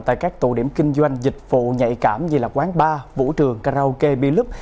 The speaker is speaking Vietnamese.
tại các tổ điểm kinh doanh dịch vụ nhạy cảm như là quán bar vũ trường karaoke b loop